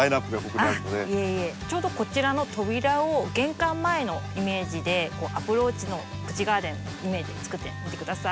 ちょうどこちらの扉を玄関前のイメージでアプローチのプチガーデンイメージつくってみてください。